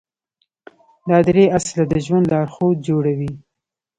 دا درې اصله د ژوند لارښود جوړوي.